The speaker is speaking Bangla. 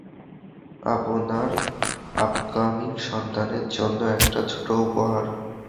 আপনার আপকামিং সন্তানের জন্য একটা ছোট উপহার।